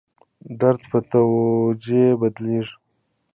درد په توجیه بدلېږي.